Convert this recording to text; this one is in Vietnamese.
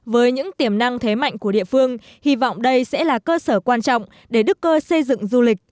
với những tiềm năng thế mạnh của địa phương hy vọng đây sẽ là cơ sở quan trọng để đức cơ xây dựng du lịch